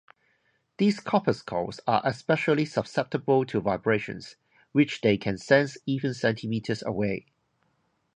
These corpuscles are especially susceptible to vibrations, which they can sense even centimeters away.